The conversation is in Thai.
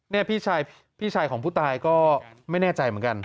นี่พี่ชายของผู้ตายก็ไม่แน่ใจเหมือนกัน